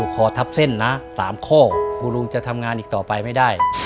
กูลุงจะทำงานอีกต่อไปไม่ได้